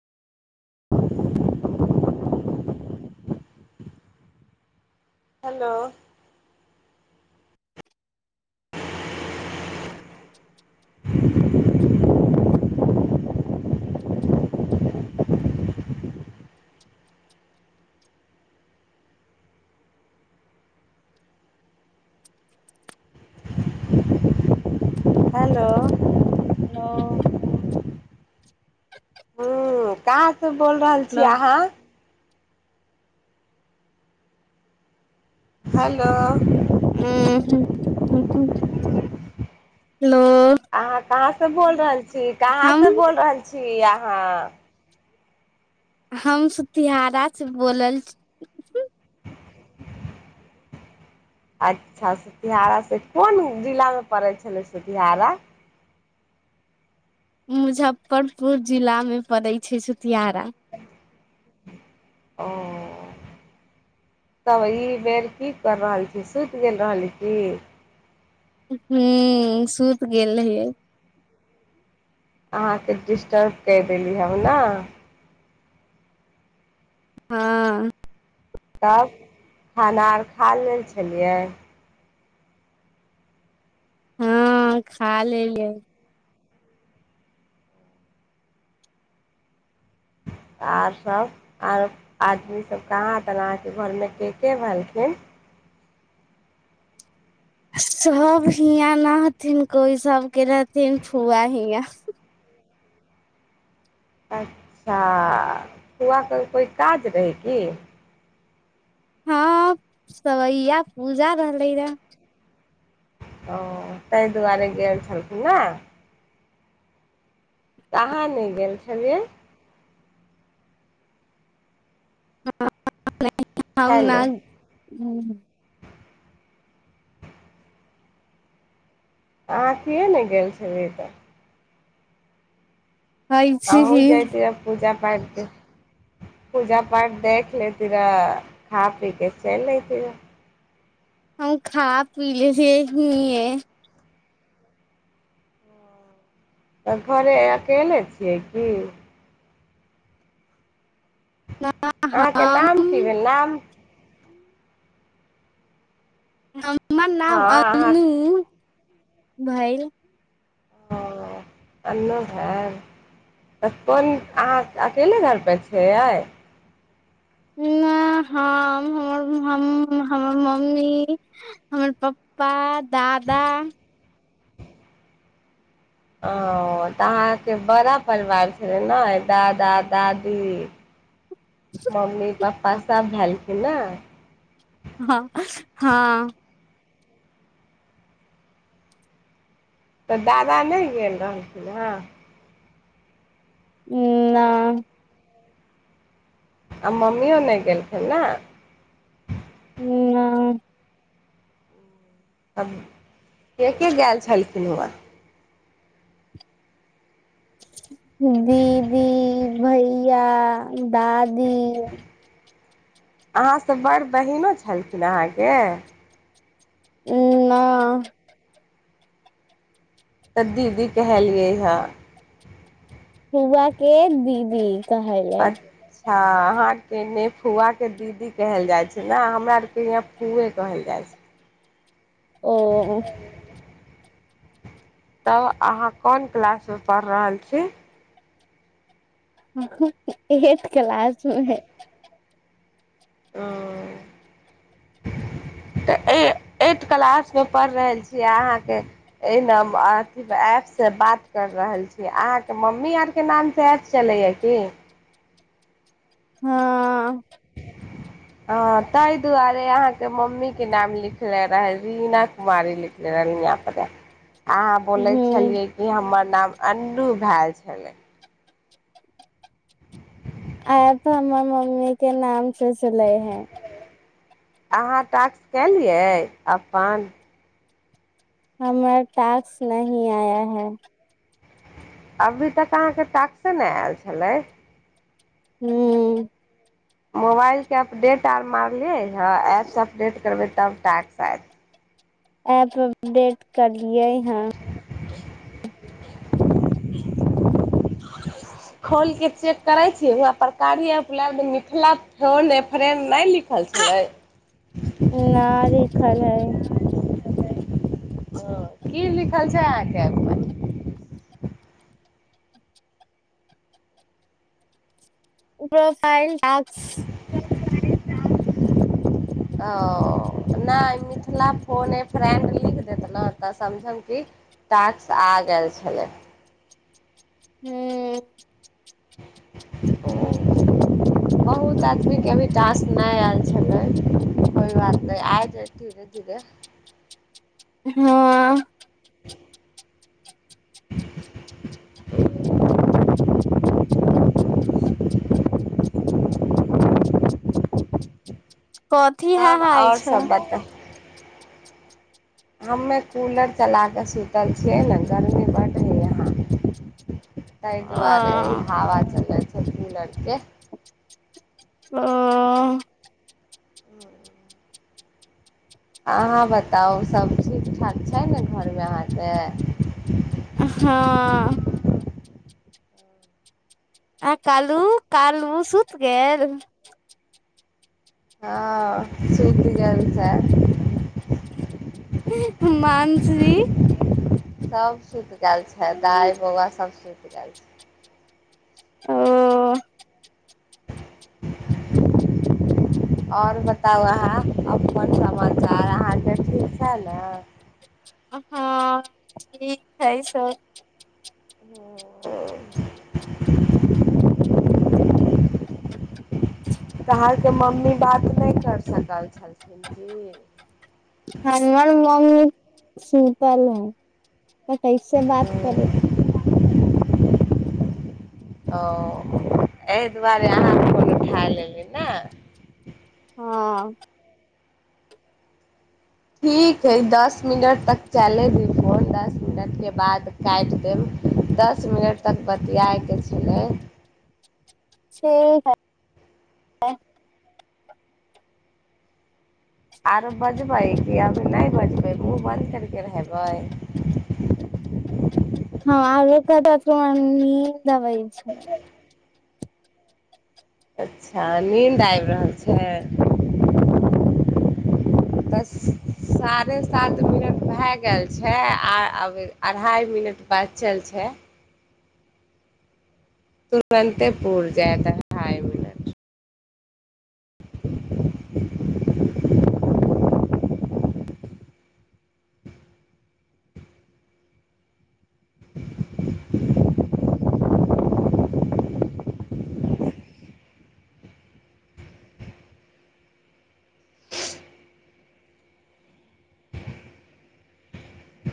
Hello hello ह क से बोल रहल छी मतलब अहाँ हेलो ह ह ह अहाँ कहाँ से बोल रहल छी ज कहाँ हम से बोल रहल छी ियाहाँ हम सुतिियहारा से बोलल छी अच्छा सतिियहारासँ कोन जिलामे पड़ै छलै सतियहारा। मुजफ्फरपुर जिलामे पड़ै छै सुतियारा ओ तब ई बेर की कर रहल छी सुति गेल रहली कि हु सुत गेल रहिय। अहाँके डिस्टर्ब क देली हम ना हँ। तब खाना अर खा लेल छलियै। हँ खा लेलियै आओर सभ आर आदमीसभ कहाँ तनि अहाँके घरमे के के भेलखिन। सब हियाँ नहथिन कोइ सबके रहथिन फुआ हियाँ। अच्छा कुआके कोइ काज रहै की। हँ सवैया पूजा रहलै रहा। ओ तै दुआरे गेलर छलखिन ने त अहाँ नहि गेल छलियै। खाय हम ले नहि ह। अहाँथिए ने गेल छबी तऽ। आ ऐसे ह ही जाइतिय पूजा पाठ। पूजा पाठ देख लेती रहऽ खा पी के चलि अेती रहऽ। हम खा पी ले छ घए तऽ घरे अकेले छियै की। अहाँके नाम हम की भेल नाम। ह हमर हँ नाम अहाँ अनू। भैल ओ अन्नो घर तऽ कोन अहाँ अकेले घरपर छियै आय हम हमर हम हमर मम्मी हमर पप्पा दादा ओ तऽ अहाँके बड़ा परिवार छलै ने दादा दादी मम्मी पप्पा सब भेल। ना। हँ हँ तऽ दादा नहि गेल रहलखिन हेँ ह न आ मम्मीो नहि गेलखिन ने ह आ केके ग छलखिन हरा दीदी भैया दादी अहाँसभ बड़ बहीनो छलखिन अहाँके ह न। त दीदी कहलियैहा सुुआ के दीदी। त हाय लै। अच्छ अहाँ आरके ने फुआके दीदी कहल जाइ छै ने हमरा आरके यहाँ फूए कहल जाइ छै ओ। तब अहाँ कोन क्लासमे पढ़ि रहल छी एट क्लास स हे ह तऽ एट क्लासमे पढ़ रहल छीयै अहाँके ए अथी एपसँ बात कर रहल छीय अहाँके मम्मी आरके नामसँ एप चलैए की हँ। हँ ताहि दुआरे अहाँके मम्मीके नाम लिखले रह रीना कुमारी लिखले रह यहाँपर आहाँ बोले ह छलियै कि हमर नाम अन्नू भेल छलै। एप त हमर मम्मी के नाम से चलैया अहाँ टास्क केलियै अपन [unintelligible] अभी तक अहाँके टाक्से नहि आयल छलै हू। मोबाइल के अपडेट आर मारलिय। हँ एप्स अपडेट करबे तब टास्क आयत। एप अपडेट करलियै हन। खोल के चेक करै छी वहाँ कार्य एप पर मिथिला फोन ए फ्रेंड नहि लिखल छलय न लिखल है। अच्छा की लिखल छै अहाँके एप पर प्रोफाइल टास्क ओ नहि मिथिला फोन ए फ्रेंड लिख देतहुँ तऽ समझम कि टास्क आ गेल छलै। हू ओ बहुत आदमीके अभी टास्क नहि आयल छलै कोइ बात नहि आइ जायत धीरे धीरे हँ कथी ह तब हाइ आओर छै सब बता हमे कूलर चला कऽ सुतल छियै ने गर्मी बड है यहाँ ता दुोआरे अ इ हवा चलल छल त ओ। अहाँ बताउ सभ ठीक ठाक छै ने घरमे अहाँके। हँ। आ कालू -कालू सुत गेल। हँ सुति गेल छै। मानसी सब सुइत गेल आयल छै दाइ बौआ सब सुइत सुइत गेल छै। ओ। आओर बताउ अहाँ अपन समाचार अहाँके ठीक छै ने हँ ठीक हइ सब। ह तऽरके मम्मी बात नहि कर सकल छलखिन की। सुताल। तऽ कै से बात करू। ओ एहि दुआरे अह फोन उठा लेली ने। हँ। ठीक हइ दस मिनट तक चले द फोन दस मिनटके बाद काटि देब दस मिनट तक बतियायके छलै। से ह। आर बाजबाै कि अ। नहि बचबै ओ बन्द करिके रहबै। हँ [unintelligible] दबै छै। अच्छा नीन्द आबि रहल छै तऽ साढ़े सात मिनट भए गेल छै आ अब अढ़ाइ मिनट बादचल छै। तुरन्तेपूुर जाय त हाय मिनट।